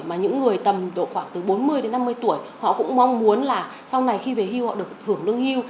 mà những người tầm độ khoảng từ bốn mươi đến năm mươi tuổi họ cũng mong muốn là sau này khi về hưu họ được hưởng lương hưu